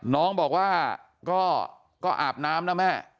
น้องบอกว่าก็อาบน้ำนะแม่